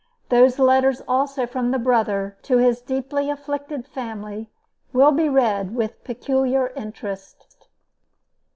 Those letters also from the brother to his deeply afflicted family will be read with peculiar interest.